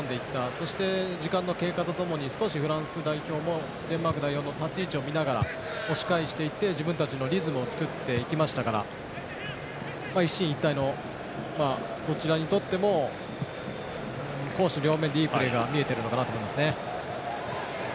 そして、時間の経過と共に少し、フランス代表もデンマーク代表の立ち位置を見ながら、押し返していって自分たちのリズムを作っていきましたから一進一退のどちらにとっても攻守両面でいいプレーが見えているのかなと思いますね。